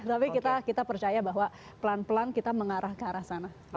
tapi kita percaya bahwa pelan pelan kita mengarah ke arah sana